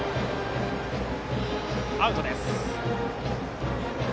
アウトです。